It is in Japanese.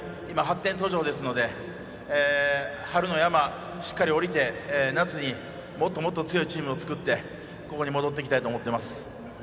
今、発展途上ですので春の山、しっかり下りて夏にもっともっと強いチームを作ってここに戻ってきたいと思います。